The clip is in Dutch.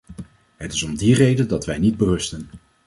Het is om die reden dat wij niet berusten.